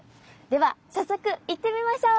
では早速行ってみましょう！